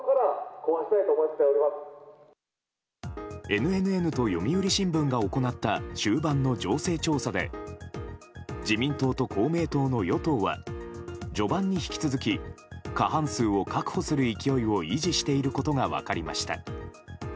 ＮＮＮと読売新聞が行った終盤の情勢調査で自民党と公明党の与党は序盤に引き続き過半数を確保する勢いを維持していることが分かりました。